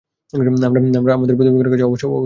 আমরা আমাদের প্রতিপালকের কাছে অবশ্যই প্রত্যাবর্তন করব।